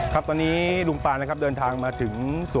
ครับตอนนี้ลุงปานนะครับเดินทางมาถึง